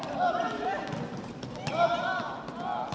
สุดท้ายสุดท้ายสุดท้าย